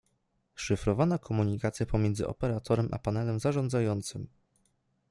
Szyfrowana komunikacja pomiędzy Operatorem a panelem zarządzającym